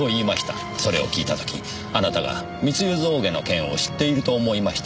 それを聞いた時あなたが密輸象牙の件を知っていると思いました。